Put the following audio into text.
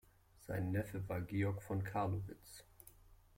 Sein Neffe war Georg von Carlowitz.